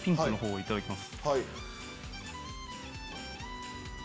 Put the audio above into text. いただきます。